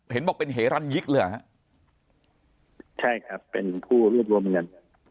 เห็นบอกเป็นเฮรัญยิคหรือใช่ครับเป็นผู้รวมเงิน